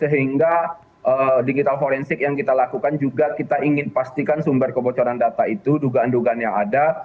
sehingga digital forensik yang kita lakukan juga kita ingin pastikan sumber kebocoran data itu dugaan dugaan yang ada